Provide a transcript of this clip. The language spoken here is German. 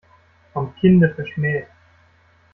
Vom Kinde verschmäht.